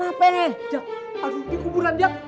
aduh ini kuburan jak